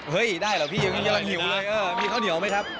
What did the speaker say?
เฮ้ยได้เหรอพี่ยังกำลังหิวเลยมีข้าวเหนียวไหมครับ